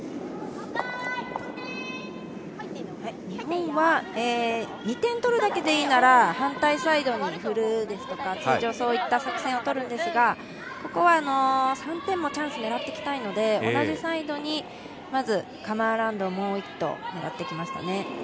日本は２点取るだけでいいなら、反対サイドにふるですとか通常そういった作戦をとるんですが、ここは３点もチャンスねらっていきたいので同じサイドにまずカム・アラウンドをもう１投狙ってきましたね。